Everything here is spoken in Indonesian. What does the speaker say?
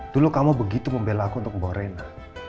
dulu kamu begitu membela aku untuk membawa rena